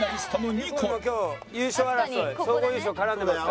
ニコルも今日優勝争い総合優勝絡んでますから。